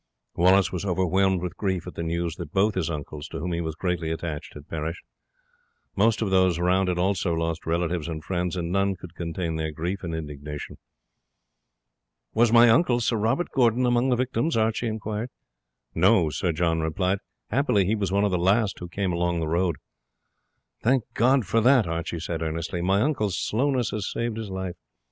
Wallace was overwhelmed with grief at the news that both his uncles, to whom he was greatly attached, had perished. Most of those around had also lost relatives and friends, and none could contain their grief and indignation. "Was my uncle, Sir Robert Gordon, among the victims?" Archie inquired. "No," Sir John replied; "happily he was one of the last who came along the road." "Thank God for that!" Archie said earnestly; "my uncle's slowness has saved his life.